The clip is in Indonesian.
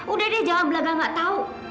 udah deh jawablah kak nggak tahu